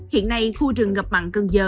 hiện nay khu rừng ngập mặn cần giờ